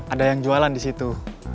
ada yang jualan di situ